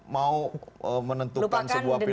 mau menentukan sebuah pilihan